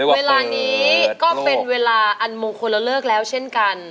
เวลานี้ก็เป็นเวลาอันมงคลเลิกแล้วเช่นกัน